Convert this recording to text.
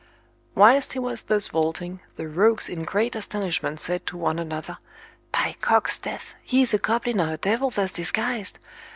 Whilst he was thus vaulting, the rogues in great astonishment said to one another, By cock's death, he is a goblin or a devil thus disguised.